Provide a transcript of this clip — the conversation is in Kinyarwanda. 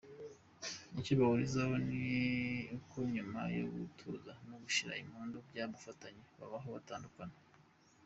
Icyo bahurizaho ni uko nyuma yo gutuza no gushira impumu kw’abafatanye habaho gutandukana.